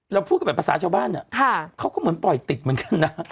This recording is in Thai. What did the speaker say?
พูดกันแบบภาษาชาวบ้านเขาก็เหมือนปล่อยติดเหมือนกันนะ